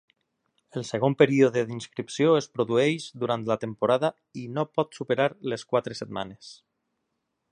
El segon període d'inscripció es produeix durant la temporada i no pot superar les quatre setmanes.